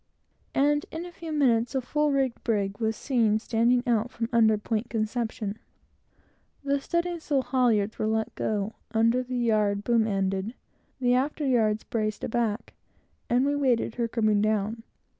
and in a few minutes a full rigged brig was seen standing out from under Point Conception. The studding sail halyards were let go, and the yards boom ended, the after yards braced aback, and we waited her coming down.